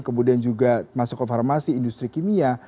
kemudian juga masuk ke farmasi industri kimia